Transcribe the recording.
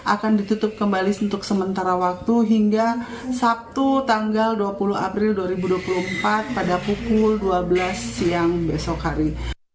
akan ditutup kembali untuk sementara waktu hingga sabtu tanggal dua puluh april dua ribu dua puluh empat pada pukul dua belas siang besok hari